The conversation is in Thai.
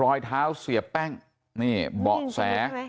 รอยเท้าเสียแป้งนี่เบาะแส